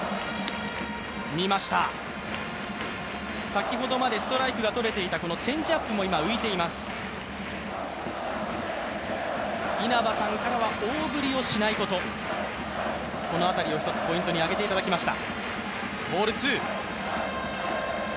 先ほどまでストライクが取れていたチェンジアップも今、浮いています稲葉さんからは大振りをしないこと、この辺りをひとつポイントに上げていただきました。